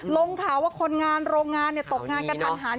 ลงข่าวว่าคนงานโรงงานตกงานกระทันหัน